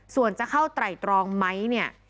ส่วนจะเข้าไตรตรองไหมเนี่ย